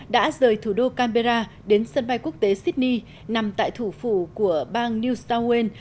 đã rời thủ đô canberra đến sân bay quốc tế sydney nằm tại thủ phủ của bang new south wales